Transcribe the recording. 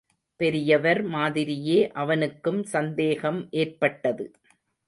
பெரியவர் மாதிரியே அவனுக்கும் சந்தேகம் ஏற்பட்டது.